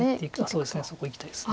そうですねそこいきたいです。